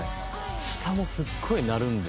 下もすごい鳴るんで。